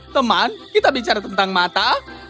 teman kita bicara tentang mata